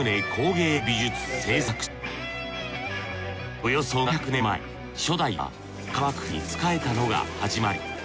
およそ７００年前初代が鎌倉幕府に仕えたのが始まり。